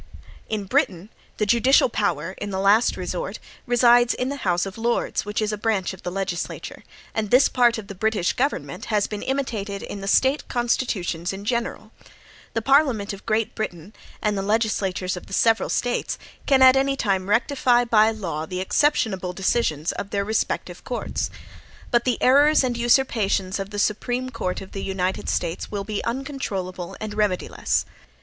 In Britain, the judicial power, in the last resort, resides in the House of Lords, which is a branch of the legislature; and this part of the British government has been imitated in the State constitutions in general. The Parliament of Great Britain, and the legislatures of the several States, can at any time rectify, by law, the exceptionable decisions of their respective courts. But the errors and usurpations of the Supreme Court of the United States will be uncontrollable and remediless."